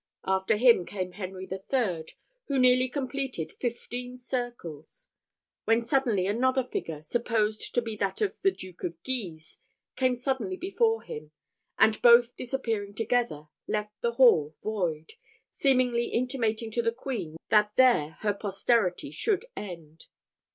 After him came Henry III., who nearly completed fifteen circles; when suddenly another figure, supposed to be that of the Duke of Guise, came suddenly before him, and both disappearing together, left the hall void, seemingly intimating to the queen that there her posterity should end.